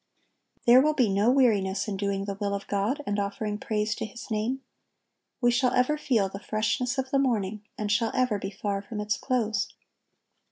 There will be no weariness in doing the will of God and offering praise to His name. We shall ever feel the freshness of the morning, and shall ever be far from its close.